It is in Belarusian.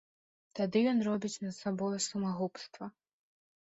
Тады ён робіць над сабою самагубства.